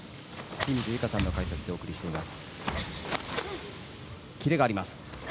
清水由佳さんの解説でお送りしています。